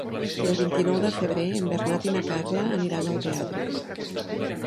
El vint-i-nou de febrer en Bernat i na Carla aniran al teatre.